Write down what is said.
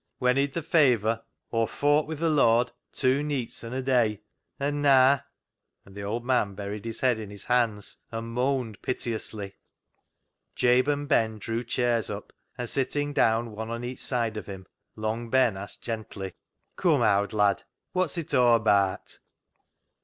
When he'd th' fayver Aw fowt wi' th' Lord two neets an' a day, THE KNOCKER UP 149 an' naa" — and the old man buried his head in his hands and moaned piteously. Jabe and Ben drew chairs up, and sitting down one on each side of him, Long Ben asked gently —" Come, owd lad, wot's it aw abaat